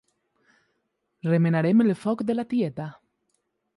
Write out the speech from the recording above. Remenaren el foc de la tieta.